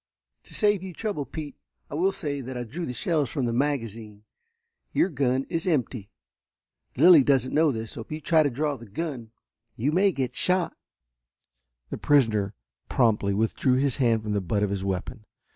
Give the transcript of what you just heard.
"To save you trouble, Pete, I will say that I drew the shells from the magazine. Your gun is empty. Lilly doesn't know this, so if you try to draw the gun you may get shot." The prisoner promptly withdrew his hand from the butt of his weapon.